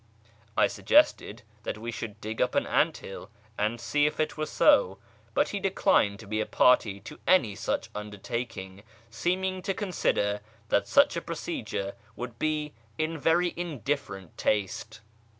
I suggested that we should dig up ,.n ant hill and see if it were so, but he declined to be a party 10 any such undertaking, seeming to consider that such a rocedure would be in very indifferent taste.